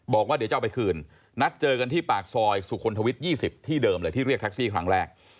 บอกว่าเดี๋ยวจะเอาไปคืนนัดเจอกันที่ปากซอยสุขนทวิต๒๐ที่เดิมเลยที่เรียกแท็กซี่ครั้งแรก